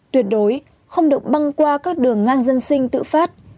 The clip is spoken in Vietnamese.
tuyệt đối không được băng qua các đường ngang dân sinh tự phát